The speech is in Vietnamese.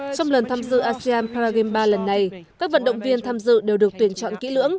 trong lần tham dự asean paragame ba lần này các vận động viên tham dự đều được tuyển chọn kỹ lưỡng